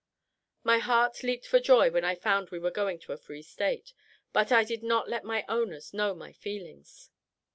My heart leaped for joy when I found we were going to a free State; but I did not let my owners know my feelings.